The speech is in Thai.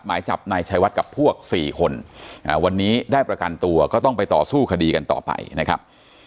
หมายจับนายชัยวัดกับพวก๔คนวันนี้ได้ประกันตัวก็ต้องไปต่อสู้คดีกันต่อไปนะครับ